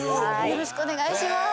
よろしくお願いします。